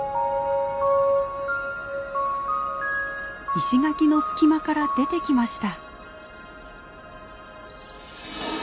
石垣の隙間から出てきました。